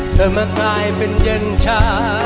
เธอมากลายเป็นเย็นชา